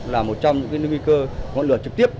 là một trong những nguy cơ ngọn lửa trực tiếp